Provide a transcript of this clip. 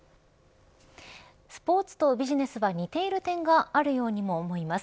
スポーツとビジネスは似ている点があるようにも思います。